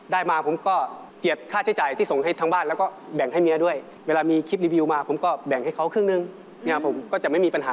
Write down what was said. ได้เงินสะสมไป๑๐๐๐๐บาทพร้อมกับที่สำคัญมากคือไทยของสำเร็จ